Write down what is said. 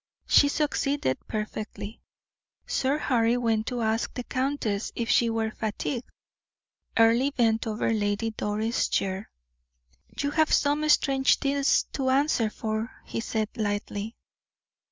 She succeeded perfectly Sir Harry went to ask the countess if she were fatigued. Earle bent over Lady Doris' chair. "You have some strange deeds to answer for," he said, lightly.